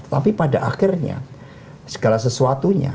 tapi pada akhirnya segala sesuatunya